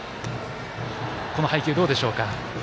この配球、どうでしょうか？